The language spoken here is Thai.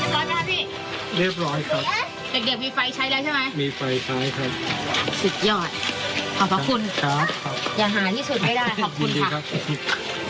มีไฟใช้แล้วใช่ไหมมีไฟใช้ครับสุดยอดขอบคุณครับอย่าหาที่สุดไม่ได้ขอบคุณครับ